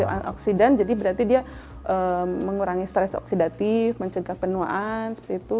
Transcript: antioksidan jadi berarti dia mengurangi stres oksidatif mencegah penuaan seperti itu